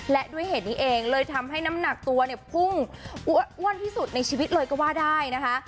และด้วยเหตุนี้เองเลยทำให้น้ำหนักตัวเนี่ยพุ่งอ้วนที่สุดในชีวิตเลยก็ว่าได้นะคะ